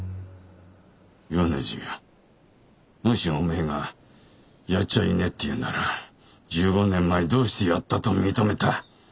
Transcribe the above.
米次がもしおめえがやっちゃいねえって言うんなら１５年前どうしてやったと認めた？